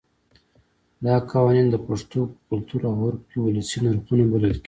دا قوانین د پښتنو په کلتور او عرف کې ولسي نرخونه بلل کېږي.